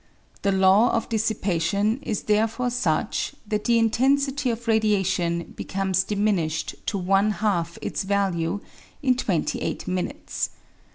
The law of dissipation is therefore such that the intensity of radiation becomes diminished to one half its value in twenty eight minutes.